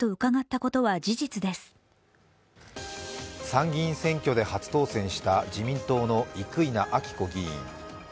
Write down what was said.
参議院選挙で初当選した自民党の生稲晃子議員。